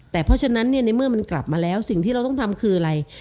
แต่เพราะฉะนั้นในเมื่อมันกลับมาแล้วสิ่งที่เราต้องทำคืออะไร